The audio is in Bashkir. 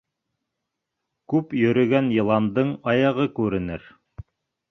Күп йөрөгән йыландың аяғы күренер.